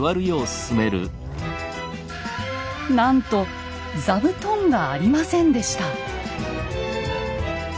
なんと座布団がありませんでした。